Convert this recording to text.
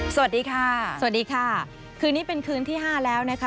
สวัสดีค่ะสวัสดีค่ะคืนนี้เป็นคืนที่ห้าแล้วนะคะ